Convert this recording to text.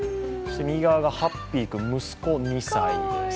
右側がハッピー君、息子、２歳です。